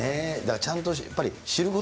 ちゃんとやっぱり、知ること